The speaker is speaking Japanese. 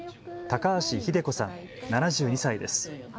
高橋秀子さん、７２歳です。